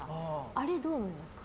あれどう思いますか？